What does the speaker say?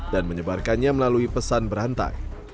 dan menyebarkannya melalui pesan berantai